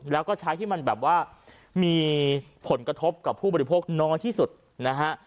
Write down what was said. แล้วก็ใช้ที่มันแบบว่ามีผลกระทบกับผู้บริโภคน้อยที่สุดนะฮะ